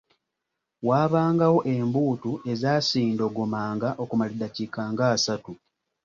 Waabangawo embuutu ezaasindogomanga okumala eddakiika ng’asatu.